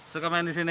suka main di sini